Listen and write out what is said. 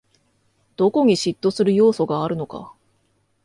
どこに嫉妬する要素があるのか